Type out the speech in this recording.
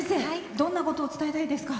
どんなことを伝えたいですか？